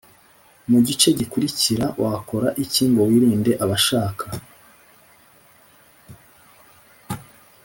Mu gice gikurikira wakora iki ngo wirinde abashaka